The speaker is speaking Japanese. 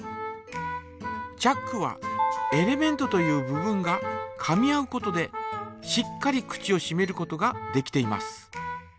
チャックはエレメントという部分がかみ合うことでしっかり口をしめることができています。